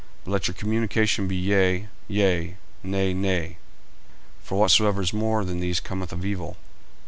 40:005:037 But let your communication be, Yea, yea; Nay, nay: for whatsoever is more than these cometh of evil.